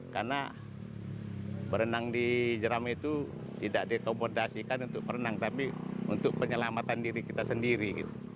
karena berenang di jeram itu tidak dikomodasikan untuk berenang tapi untuk penyelamatan diri kita sendiri